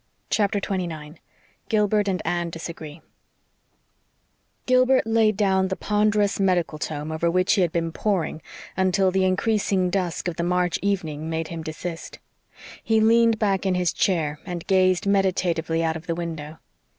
CHAPTER 29 GILBERT AND ANNE DISAGREE Gilbert laid down the ponderous medical tome over which he had been poring until the increasing dusk of the March evening made him desist. He leaned back in his chair and gazed meditatively out of the window.